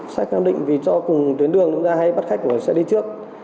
sách am định vì do cùng tuyến đường ra hay bắt khách của xe đi trước